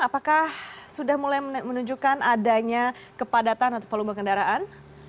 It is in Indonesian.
apakah sudah mulai menunjukkan adanya kepadatan atau volume kendaraan